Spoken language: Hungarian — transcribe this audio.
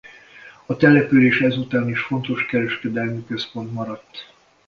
A település ezután is fontos kereskedelmi központ maradt.